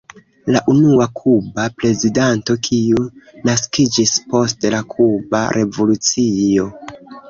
La unua kuba prezidanto kiu naskiĝis post la kuba revolucio.